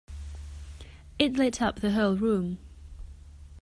It lit up the whole room.